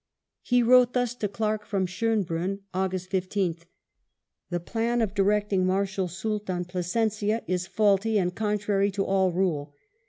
He wrote thus to Clarke from Schonbrunn, August 15th : "The plan of directing Marshal Soult on Plasencia is faulty and contrary to all rule.